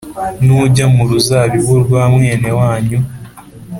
Nujya mu ruzabibu rwa mwene wanyu